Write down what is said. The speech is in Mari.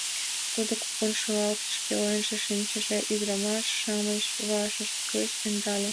Тудо кугун шӱлалтыш, пеленже шинчыше ӱдырамаш-шамычым вачышт гыч ӧндале.